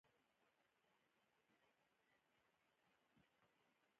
هغه سړو سره مو د خداے په اماني وکړه